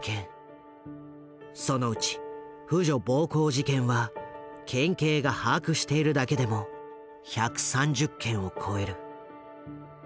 そのうち婦女暴行事件は県警が把握しているだけでも１３０件を超える。